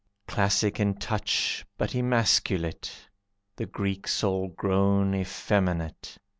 Classic in touch, but emasculate, The Greek soul grown effeminate.